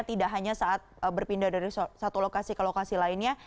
tidak hanya saat berpindah dari satu lokasi ke lokasi lainnya